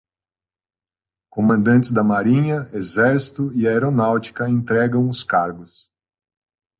Comandantes da marinha, exército e aeronáutica entregam os cargos